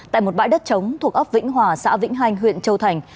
tại một bãi đất trống thuộc ấp vĩnh hòa xã vĩnh hành huyện châu thành